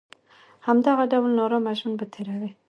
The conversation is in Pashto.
همدغه ډول نارامه ژوند به تېروي.